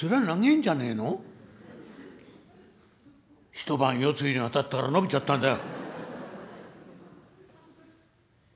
「一晩夜露に当たったから伸びちゃったんだよ」。